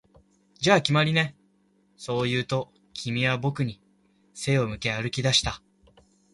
「じゃあ、決まりね」、そう言うと、君は僕に背を向け歩き出した